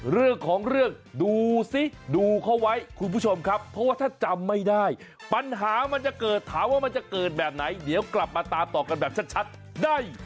เรื่องของเรื่องดูสิดูเขาไว้คุณผู้ชมครับเพราะว่าถ้าจำไม่ได้ปัญหามันจะเกิดถามว่ามันจะเกิดแบบไหนเดี๋ยวกลับมาตามต่อกันแบบชัดได้